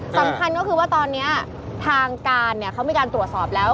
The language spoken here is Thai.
สำคัญก็คือว่าตอนนี้ทางการเขามีการตรวจสอบแล้ว